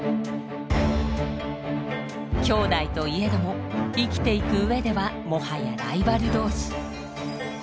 きょうだいといえども生きていく上ではもはやライバル同士。